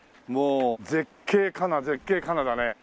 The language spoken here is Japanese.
もう「絶景かな絶景かな」だね。